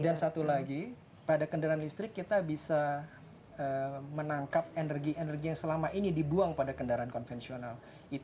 dan satu lagi pada kendaraan listrik kita bisa menangkap energi energi yang selama ini dibuang pada kendaraan konvensional